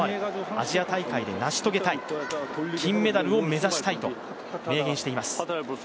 アジア大会で成し遂げたい、金メダルを目指したいと明言しています。